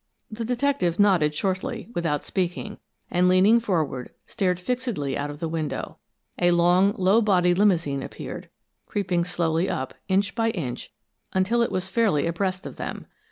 The detective nodded shortly, without speaking, and leaning forward, stared fixedly out of the window. A long, low bodied limousine appeared, creeping slowly up, inch by inch, until it was fairly abreast of them.